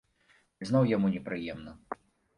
І зноў яму непрыемна.